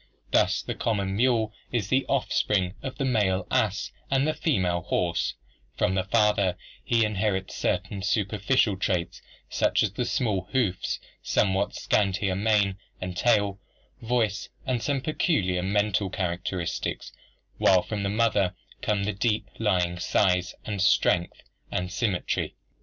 Thus the common mule is the offspring of a male ass and female horse; from the father he inherits certain superficial traits such as the small hoofs, somewhat scantier mane and tail, voice, and some peculiar mental characteristics; while from the mother come the deeper lying size and strength and symmetry.